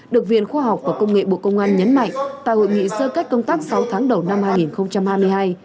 được viện khoa học và công nghệ bộ công an nhấn mạnh tại hội nghị sơ kết công tác sáu tháng đầu năm hai nghìn hai mươi hai